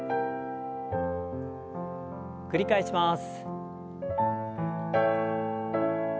繰り返します。